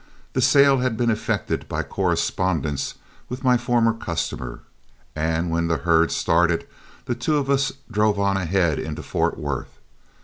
The sale had been effected by correspondence with my former customer, and when the herd started the two of us drove on ahead into Fort Worth.